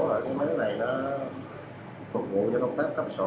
và cái máy này nó phục vụ cho công tác cấp sổ